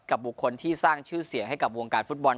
บุคคลที่สร้างชื่อเสียงให้กับวงการฟุตบอล